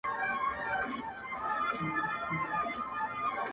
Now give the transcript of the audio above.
• چي پر ځان مو راوستلې تباهي ده ,